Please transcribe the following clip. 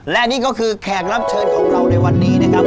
และนี่ก็คือแขกรับเชิญของเราในวันนี้นะครับ